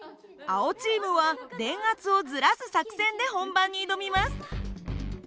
青チームは電圧をずらす作戦で本番に挑みます。